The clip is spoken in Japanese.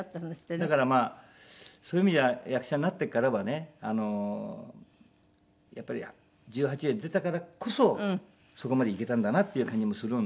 だからまあそういう意味では役者になってからはねあのやっぱり１８で出たからこそそこまでいけたんだなっていう感じもするので。